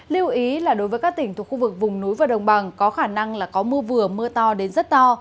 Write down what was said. lưu ý là đối với các tỉnh thuộc khu vực vùng núi và đồng bằng có khả năng là có mưa vừa mưa to đến rất to